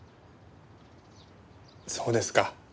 そうですか。